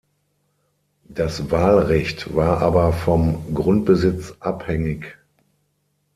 Das Wahlrecht war aber vom Grundbesitz abhängig.